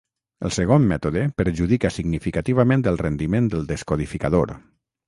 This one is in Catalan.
El segon mètode perjudica significativament el rendiment del descodificador.